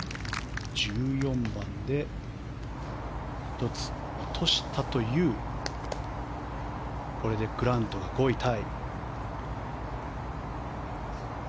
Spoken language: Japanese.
１４番で１つ落としたというこれでグラントが５位タイ。